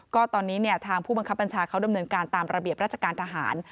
ก็ตอนนี้ทางผู้บังคับบัญชาเขาดำเนินการตามระเบียบราชการทหาร